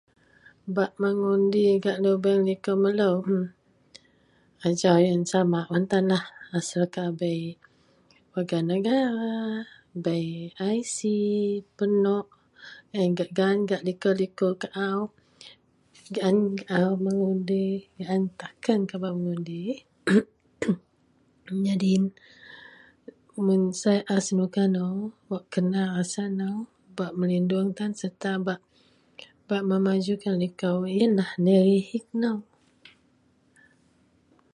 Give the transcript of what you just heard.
bak mengundi gak lubeang liko melou em ajau ien sama un tanlah, asel au bei warga negara bei IC penuh ien gak gaan liko-liko kau giaan au mengundi giaan takan au bak mengundi, em em nyadin mun sai a senuka nou, wak kena rasa nou bak melindungkan serta bak-bak memaju tan liko ienlah nihit nou